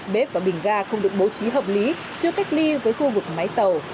bếp và bình ga không được bố trí hợp lý chưa cách ly với khu vực máy tàu